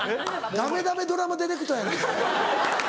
ダメダメドラマディレクターやないか。